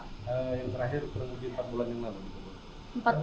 yang terakhir kurang lebih empat bulan yang lalu